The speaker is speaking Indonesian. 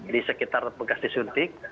di sekitar bekas disuntik